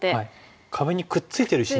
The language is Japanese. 壁にくっついてる石に。